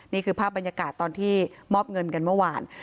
นี่คือภาพบรรยากาศตอนที่มอบเงินกันเมื่อวาน